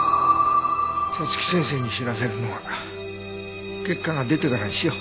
早月先生に知らせるのは結果が出てからにしよう。